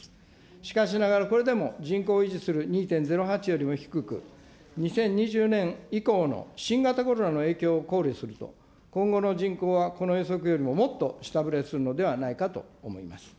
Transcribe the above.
しかしながらこれでも人口を維持する２．０８よりも低く、２０２０年以降の新型コロナの影響を考慮すると、今後の人口はこの予測よりももっと下振れするのではないかと思います。